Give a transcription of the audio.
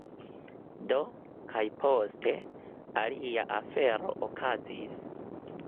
Do, kaj poste, alia afero okazis: